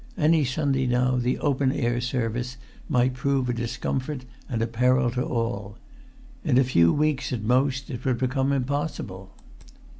Any Sunday now the open air service might prove a discomfort and a peril to all; in a few weeks at most it would become impossible.